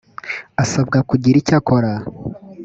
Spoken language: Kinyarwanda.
asabwa kugira icyo akora